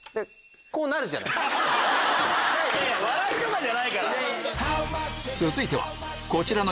笑いとかじゃないから！